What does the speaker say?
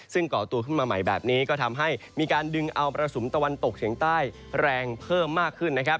ซึ่งก่อตัวขึ้นมาใหม่แบบนี้ก็ทำให้มีการดึงเอาประสุมตะวันตกเฉียงใต้แรงเพิ่มมากขึ้นนะครับ